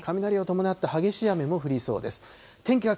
雷を伴って、激しい雨も降りそうです。